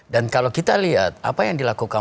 dan kalau kita lihat apa yang dilakukan